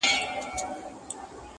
يوه ورځ د لوى ځنگله په يوه كونج كي.!